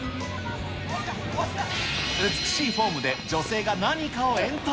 美しいフォームで女性がなにかを遠投。